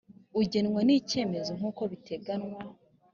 ugenwa n icyemezo nk uko biteganywa